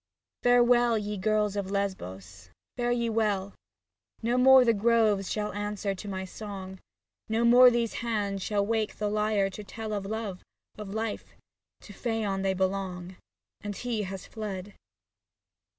Farewell, ye girls of Lesbos, fare ye well ; No more the groves shall answer to my song. No more these hands shall wake the lyre to tell Of Love, of Life — to Phaon they belong, And he has fled.